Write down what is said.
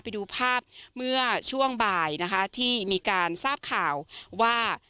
ไปดูภาพเมื่อช่วงบ่ายนะคะที่มีการทราบข่าวว่า